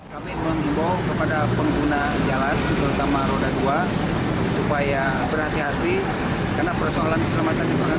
kami mengimbau kepada pengguna jalan terutama roda dua supaya berhati hati karena persoalan keselamatan juga